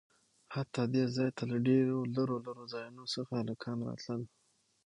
حتا د ځاى ته له ډېرو لرو لرو ځايونه څخه هلکان راتلل.